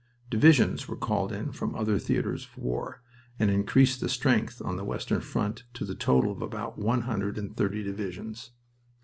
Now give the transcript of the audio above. Divisions were called in from other theaters of war, and increased the strength on the western front to a total of about one hundred and thirty divisions.